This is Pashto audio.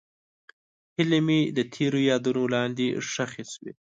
هیلې مې د تېر یادونو لاندې ښخې شوې.